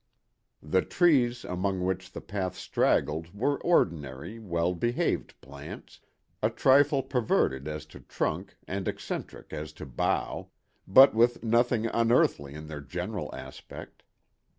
The trees among which the path straggled were ordinary, well behaved plants, a trifle perverted as to trunk and eccentric as to bough, but with nothing unearthly in their general aspect.